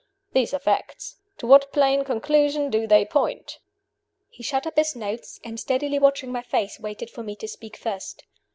These are facts. To what plain conclusion do they point?" He shut up his notes, and, steadily watching my face, waited for me to speak first.